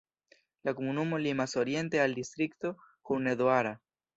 La komunumo limas oriente al distrikto Hunedoara.